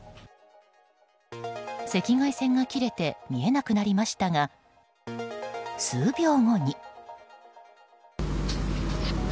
赤外線が切れて見えなくなりましたが数秒後に。